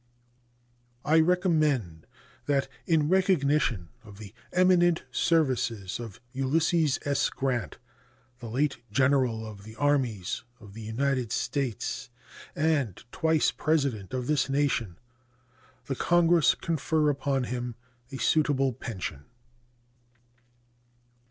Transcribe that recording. I recommend that in recognition of the eminent services of Ulysses S. Grant, late General of the armies of the United States and twice President of this nation, the Congress confer upon him a suitable pension.